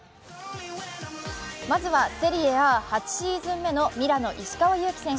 まずはセリエＡ８シーズン目のミラノ・石川祐希選手。